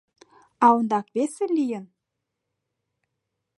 — А ондак весе лийын?